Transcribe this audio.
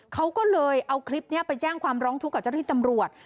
เขาก็เลยเอาคลิปนี้ไปแจ้งความร้องทุกข์กับเจ้าที่ตำรวจ